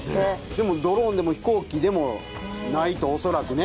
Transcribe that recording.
でもドローンでも飛行機でもないとおそらくね。